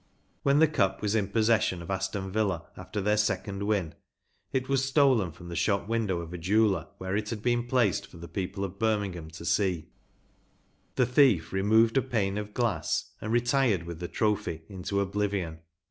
When the Cup was in the possession of Aston Villa after their second win it was stolen from the shop window of a jeweller, where it had been placed for the people of Birmingham to see; the thief removed a pane of glass, and retired with the trophy into oblivion.